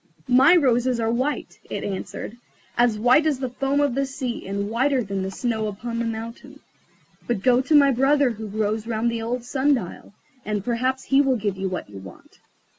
"My roses are white," it answered; "as white as the foam of the sea, and whiter than the snow upon the mountain. But go to my brother who grows round the old sun dial, and perhaps he will give you what you want."